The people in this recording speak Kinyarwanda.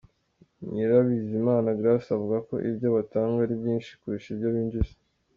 Nyirabizimana Grace avuga ko ibyo batanga ari byinshi kurusha ibyo binjiza.